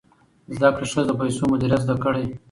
زده کړه ښځه د پیسو مدیریت زده کړی.